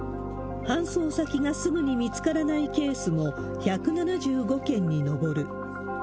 搬送先がすぐに見つからないケースも、１７５件に上る。